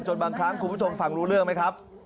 บางครั้งคุณผู้ชมฟังรู้เรื่องไหมครับ